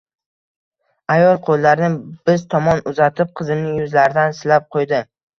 ayol qo`llarini biz tomon uzatib, qizimning yuzlaridan silab qo`ydi